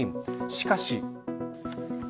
しかし。